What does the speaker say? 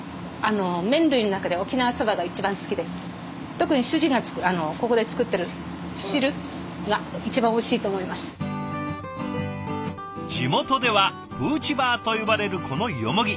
特に主人が地元では「フーチバー」と呼ばれるこのヨモギ。